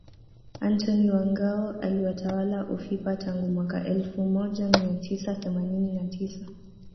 Antony wa Ngao alitawala ufipa tangu mwaka elfu moja mia tisa themanini na tisa